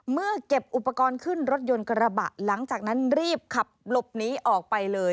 เมื่อเก็บอุปกรณ์ขึ้นรถยนต์กระบะหลังจากนั้นรีบขับหลบหนีออกไปเลย